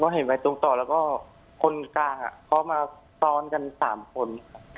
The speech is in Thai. พี่ตรงไปตรงต่อแล้วก็คนกลางขอมาซ้อนกันสามคน